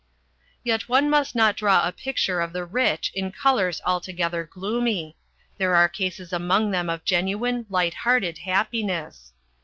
Yet one must not draw a picture of the rich in colours altogether gloomy. There are cases among them of genuine, light hearted happiness.